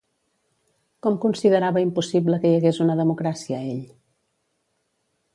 Com considerava impossible que hi hagués una democràcia ell?